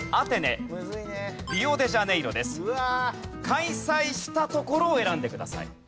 開催した所を選んでください。